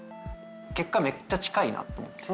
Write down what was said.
結果めっちゃ近いなと思って。